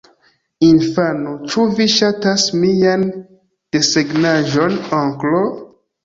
Infano: "Ĉu vi ŝatas mian desegnaĵon, onklo?"